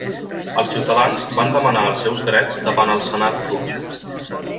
Els ciutadans van demanar els seus drets davant el Senat rus.